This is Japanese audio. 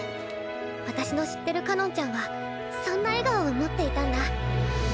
私の知ってるかのんちゃんはそんな笑顔を持っていたんだ。